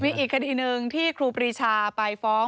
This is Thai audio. มีอีกคดีหนึ่งที่ครูปรีชาไปฟ้อง